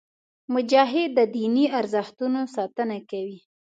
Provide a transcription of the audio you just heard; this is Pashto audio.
مجاهد د دیني ارزښتونو ساتنه کوي.